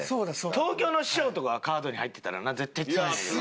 東京の師匠とかがカードに入ってたらな絶対強いんやけど。